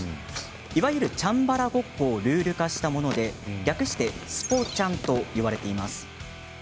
いわゆるチャンバラごっこをルール化したもので略してスポチャンと言われています。